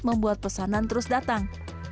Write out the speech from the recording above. membuat pesanan terus datang